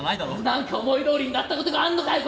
何か思いどおりになったことがあんのかよ